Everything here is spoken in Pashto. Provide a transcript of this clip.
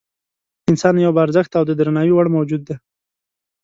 انسان یو با ارزښته او د درناوي وړ موجود دی.